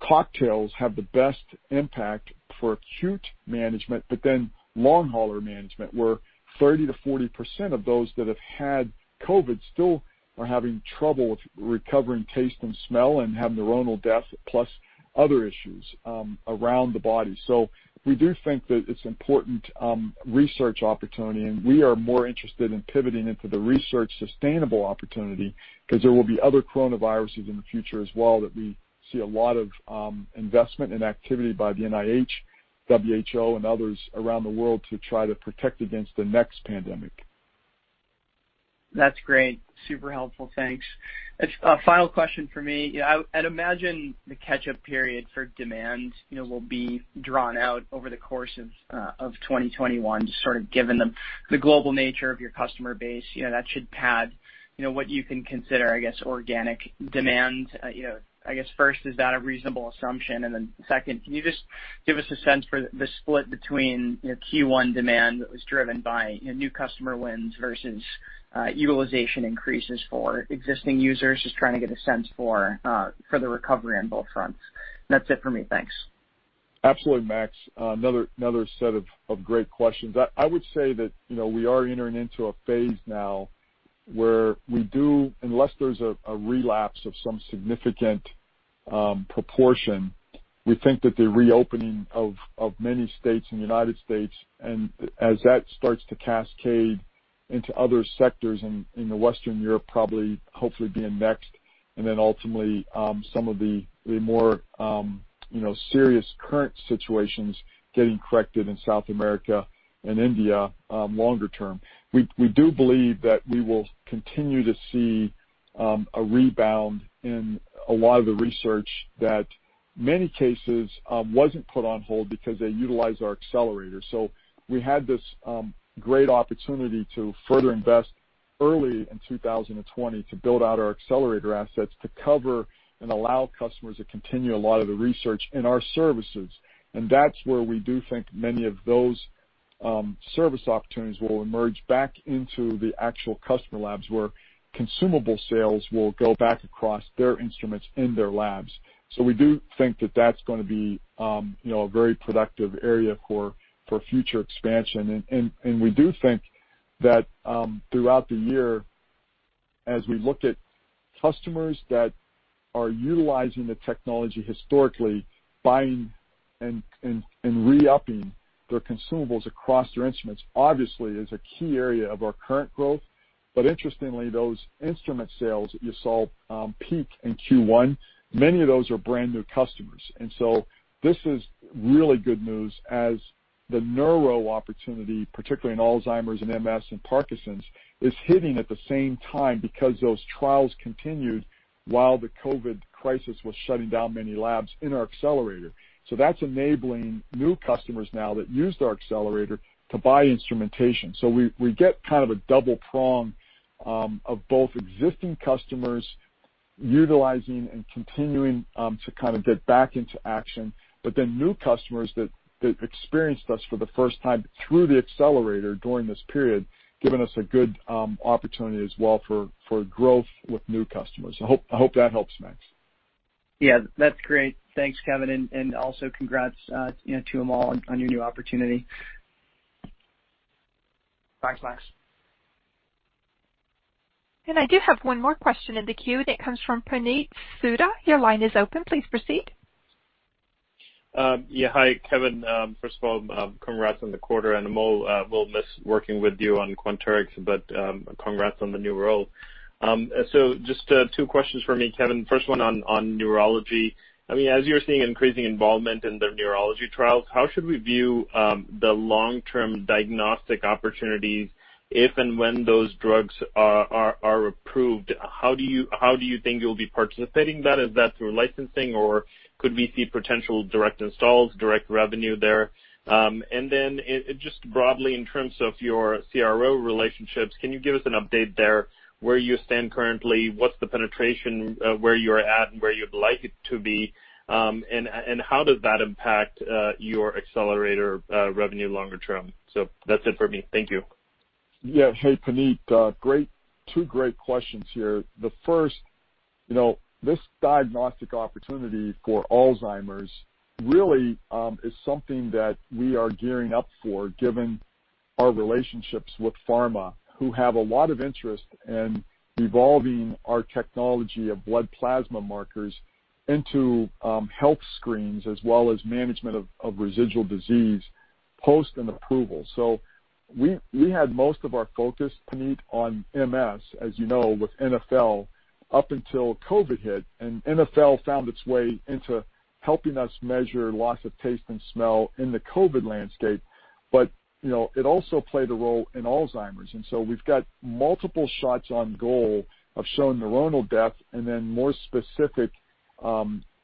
cocktails have the best impact for acute management, but then long hauler management, where 30%-40% of those that have had COVID still are having trouble with recovering taste and smell and have neuronal death plus other issues around the body. We do think that it's important research opportunity, and we are more interested in pivoting into the research sustainable opportunity because there will be other coronaviruses in the future as well that we see a lot of investment and activity by the NIH, WHO, and others around the world to try to protect against the next pandemic. That's great. Super helpful. Thanks. A final question from me. I'd imagine the catch-up period for demand will be drawn out over the course of 2021, just sort of given the global nature of your customer base, that should pad what you can consider, I guess, organic demand. I guess first, is that a reasonable assumption? And then second, can you just give us a sense for the split between Q1 demand that was driven by new customer wins versus utilization increases for existing users? Just trying to get a sense for the recovery on both fronts. That's it for me. Thanks. Absolutely, Max. Another set of great questions. I would say that we are entering into a phase now where we do, unless there's a relapse of some significant proportion, we think that the reopening of many states in the United States, and as that starts to cascade into other sectors in Western Europe, probably, hopefully being next, and then ultimately, some of the more serious current situations getting corrected in South America and India longer term. We do believe that we will continue to see a rebound in a lot of the research that many cases wasn't put on hold because they utilized our Accelerator. We had this great opportunity to further invest early in 2020 to build out our Accelerator assets to cover and allow customers to continue a lot of the research in our services. That's where we do think many of those service opportunities will emerge back into the actual customer labs, where consumable sales will go back across their instruments in their labs. We do think that that's going to be a very productive area for future expansion. We do think that throughout the year, as we look at customers that are utilizing the technology historically, buying and re-upping their consumables across their instruments, obviously, is a key area of our current growth. Interestingly, those instrument sales that you saw peak in Q1, many of those are brand-new customers. This is really good news as the neuro opportunity, particularly in Alzheimer's and MS and Parkinson's, is hitting at the same time because those trials continued while the COVID crisis was shutting down many labs in our Accelerator. That's enabling new customers now that used our Accelerator to buy instrumentation. We get kind of a double prong of both existing customers utilizing and continuing to kind of get back into action. New customers that experienced us for the first time through the Accelerator during this period, given us a good opportunity as well for growth with new customers. I hope that helps, Max. Yeah. That's great. Thanks, Kevin, and also congrats to Amol on your new opportunity. Thanks, Max. I do have one more question in the queue, and it comes from Puneet Souda. Your line is open. Please proceed. Yeah. Hi, Kevin. First of all, congrats on the quarter, and Amol Chaubal, we'll miss working with you on Quanterix, but congrats on the new role. Just two questions for me, Kevin Hrusovsky. First one on neurology. As you're seeing increasing involvement in the neurology trials, how should we view the long-term diagnostic opportunities if and when those drugs are approved? How do you think you'll be participating in that? Is that through licensing, or could we see potential direct installs, direct revenue there? Just broadly in terms of your CRO relationships, can you give us an update there? Where you stand currently, what's the penetration, where you're at and where you'd like it to be? How does that impact your Accelerator revenue longer term? That's it for me. Thank you. Yeah. Hey, Puneet. Two great questions here. The first, this diagnostic opportunity for Alzheimer's really is something that we are gearing up for, given our relationships with pharma, who have a lot of interest in evolving our technology of blood plasma markers into health screens as well as management of residual disease post an approval. We had most of our focus, Puneet, on MS, as you know, with NfL, up until COVID hit, and NfL found its way into helping us measure loss of taste and smell in the COVID landscape. It also played a role in Alzheimer's. We've got multiple shots on goal of showing neuronal death and then more specific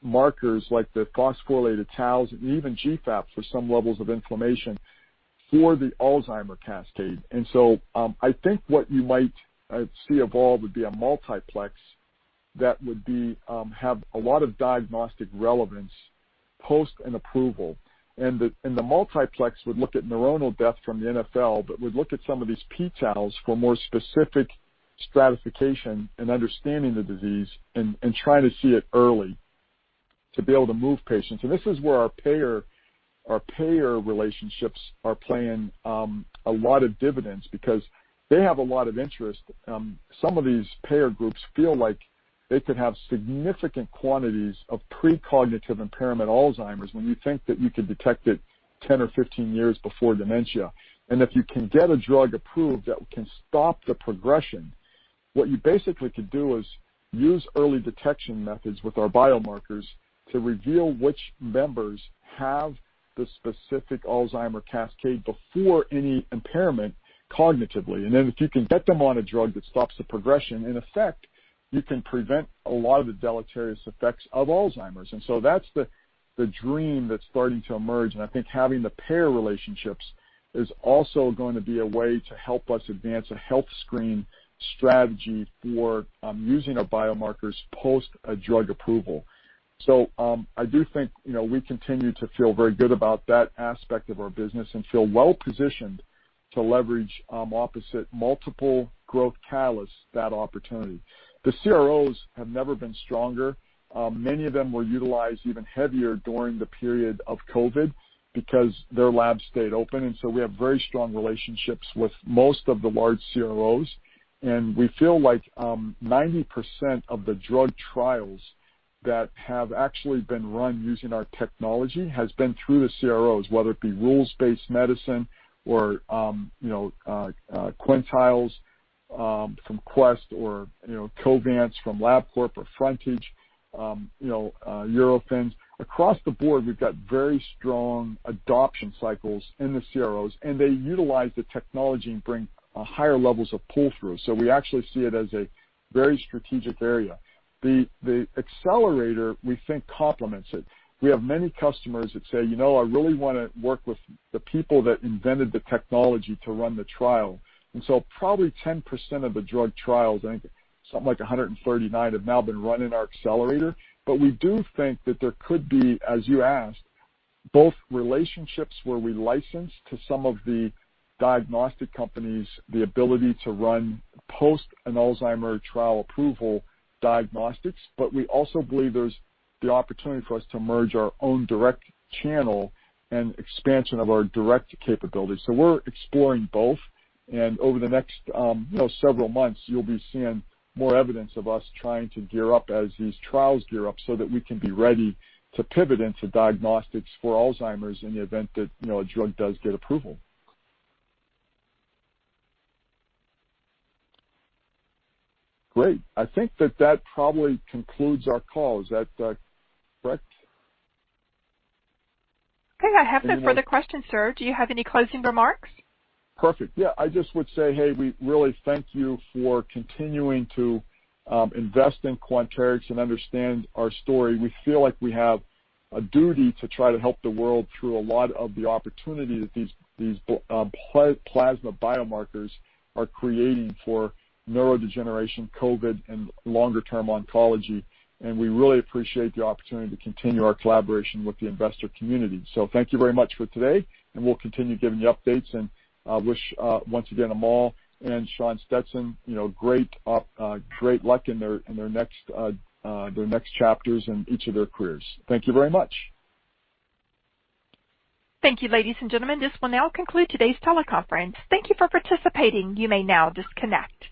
markers like the phosphorylated tau and even GFAP for some levels of inflammation for the Alzheimer cascade. I think what you might see evolve would be a multiplex that would have a lot of diagnostic relevance post an approval. The multiplex would look at neuronal death from the NfL, but would look at some of these p-Taus for more specific stratification and understanding the disease and trying to see it early to be able to move patients. This is where our payer relationships are paying a lot of dividends because they have a lot of interest. Some of these payer groups feel like they could have significant quantities of pre-cognitive impairment Alzheimer's when you think that you could detect it 10 or 15 years before dementia. If you can get a drug approved that can stop the progression, what you basically could do is use early detection methods with our biomarkers to reveal which members have the specific Alzheimer cascade before any impairment cognitively. If you can get them on a drug that stops the progression, in effect, you can prevent a lot of the deleterious effects of Alzheimer's. That's the dream that's starting to emerge. I think having the payer relationships is also going to be a way to help us advance a health screen strategy for using our biomarkers post a drug approval. I do think we continue to feel very good about that aspect of our business and feel well positioned to leverage all of these multiple growth catalysts that opportunity. The CROs have never been stronger. Many of them were utilized even heavier during the period of COVID because their labs stayed open. We have very strong relationships with most of the large CROs, and we feel like 90% of the drug trials that have actually been run using our technology has been through the CROs, whether it be Rules-Based Medicine or Quintiles from Quest or Covance from LabCorp or Frontage, Eurofins. Across the board, we've got very strong adoption cycles in the CROs, and they utilize the technology and bring higher levels of pull-through. We actually see it as a very strategic area. The Accelerator, we think, complements it. We have many customers that say, "I really want to work with the people that invented the technology to run the trial." Probably 10% of the drug trials, I think something like 139, have now been run in our Accelerator. We do think that there could be, as you asked, both relationships where we license to some of the diagnostic companies the ability to run post an Alzheimer's trial approval diagnostics. We also believe there's the opportunity for us to merge our own direct channel and expansion of our direct capability. We're exploring both, and over the next several months, you'll be seeing more evidence of us trying to gear up as these trials gear up so that we can be ready to pivot into diagnostics for Alzheimer's in the event that a drug does get approval. Great. I think that that probably concludes our call. Is that correct? Okay. I have no further questions, sir. Do you have any closing remarks? Perfect. I just would say, we really thank you for continuing to invest in Quanterix and understand our story. We feel like we have a duty to try to help the world through a lot of the opportunity that these plasma biomarkers are creating for neurodegeneration, COVID, and longer-term oncology, and we really appreciate the opportunity to continue our collaboration with the investor community. Thank you very much for today. We'll continue giving you updates. Wish, once again, Amol Chaubal and Shawn Stetson great luck in their next chapters in each of their careers. Thank you very much. Thank you, ladies and gentlemen. This will now conclude today's teleconference. Thank you for participating. You may now disconnect.